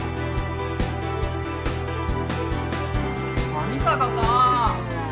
・上坂さん！